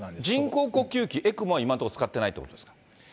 人工呼吸器・ＥＣＭＯは今は使ってないということですか。